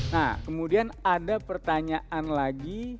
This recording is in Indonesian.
nah kemudian ada pertanyaan lagi